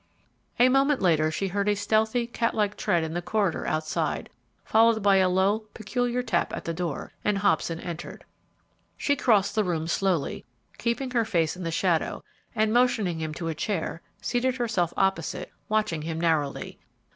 A moment later, she heard a stealthy, cat like tread in the corridor outside, followed by a low, peculiar tap at the door, and Hobson entered. She crossed the room slowly, keeping her face in the shadow, and, motioning him to a chair, seated herself opposite, watching him narrowly.